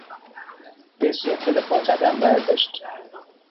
به سوی تلفن قدم برداشت.